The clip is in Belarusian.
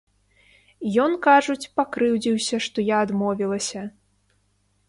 Ён, кажуць, пакрыўдзіўся, што я адмовілася.